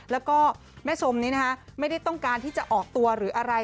แล้วก็แม่ชมนี้นะคะไม่ได้ต้องการที่จะออกตัวหรืออะไร